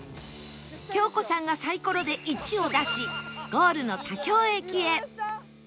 京子さんがサイコロで「１」を出しゴールの田京駅へ